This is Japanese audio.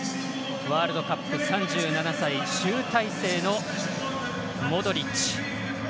ワールドカップ、３７歳集大成のモドリッチ。